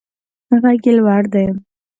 غږ یې لوړ دی.